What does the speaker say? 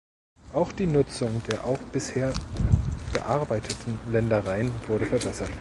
Auch die Nutzung der auch bisher bearbeiteten Ländereien wurde verbessert.